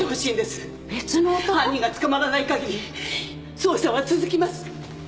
犯人が捕まらないかぎり捜査は続きます